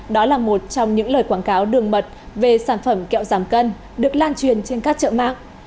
đó là một trong những lời quảng cáo đường mật về sản phẩm kẹo giảm cân được lan truyền trên các chợ mạng